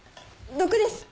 毒です